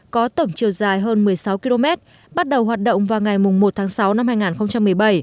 có tổng chiều dài hơn một mươi sáu km bắt đầu hoạt động vào ngày một tháng sáu năm hai nghìn một mươi bảy